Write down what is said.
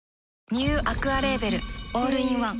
ニューアクアレーベルオールインワン